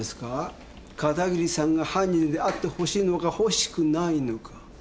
片桐さんが犯人であって欲しいのか欲しくないのか？